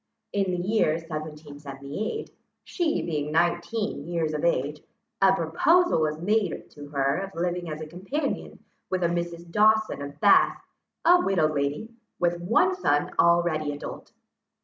In the year 1778, she being nineteen years of age, a proposal was made to her of living as a companion with a Mrs. Dawson of Bath, a widow lady, with one son already adult.